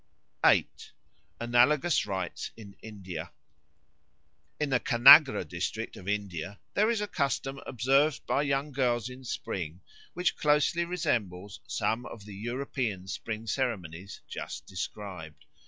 8. Analogous Rites in India IN THE KANAGRA district of India there is a custom observed by young girls in spring which closely resembles some of the European spring ceremonies just described.